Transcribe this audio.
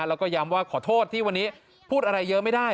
แล้วก็ย้ำว่าขอโทษที่วันนี้พูดอะไรเยอะไม่ได้